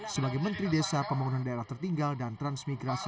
sebagai menteri desa pembangunan daerah tertinggal dan transmigrasi